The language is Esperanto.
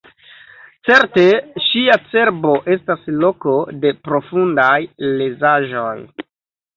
Certe ŝia cerbo estas loko de profundaj lezaĵoj.